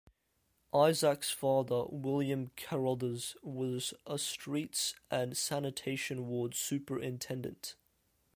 Isaac's father, William Carothers, was a Streets and Sanitation ward superintendent.